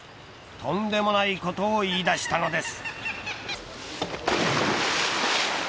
とんでもないことを言い出したのです。